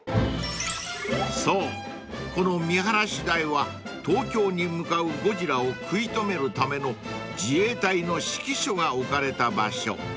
［そうこの見晴らし台は東京に向かうゴジラを食い止めるための自衛隊の指揮所が置かれた場所］